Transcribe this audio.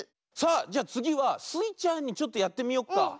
さあじゃつぎはスイちゃんちょっとやってみよっか。